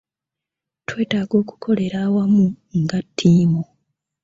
Twetaaga okukolera awamu nga ttiimu.